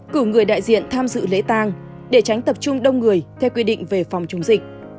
cử người đại diện tham dự lễ tang để tránh tập trung đông người theo quy định về phòng chống dịch